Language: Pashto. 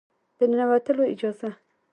د ننوتلو اجازه